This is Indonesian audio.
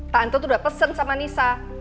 tante tuh udah pesen sama nisa